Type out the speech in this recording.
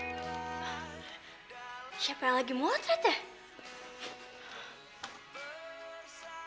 siapa yang lagi mau latretnya